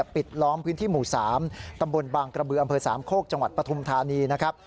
ปิดล้อมพื้นที่หมู่๓ตำบลบางกระบืออำเภอสามโคกจังหวัดปฐุมธานีนะครับ